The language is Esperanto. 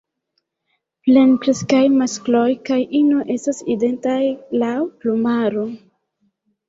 Plenkreskaj maskloj kaj ino estas identaj laŭ plumaro.